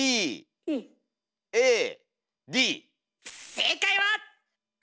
正解は。